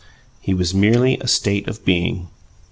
He was merely a state of being.